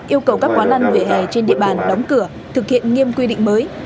yêu cầu các quán ăn vệ hài trên địa bàn đóng cửa thực hiện nghiêm quy định mới